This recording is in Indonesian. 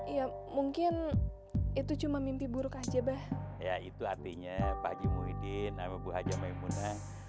ya mungkin itu cuma mimpi buruk aja bah ya itu artinya pak jumuh idin nama bu hajam emunah